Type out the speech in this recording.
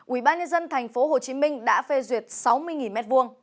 ubnd tp hcm đã phê duyệt sáu mươi m hai